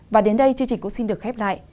và đến đây chương trình cũng xin được khép lại